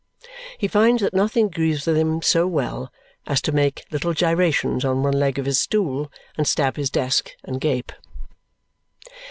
He finds that nothing agrees with him so well as to make little gyrations on one leg of his stool, and stab his desk, and gape.